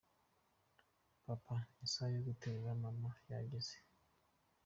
Papa, isaha yo guterura mama yageze.